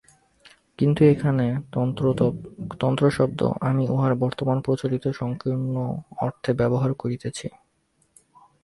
কিন্তু এখানে তন্ত্র শব্দ আমি উহার বর্তমান প্রচলিত সঙ্কীর্ণ অর্থে ব্যবহার করিতেছি।